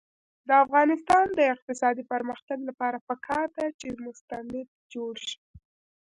د افغانستان د اقتصادي پرمختګ لپاره پکار ده چې مستند جوړ شي.